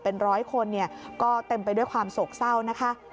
เป็นร้อยคนก็เต็มไปด้วยความโศกเศร้านะคะ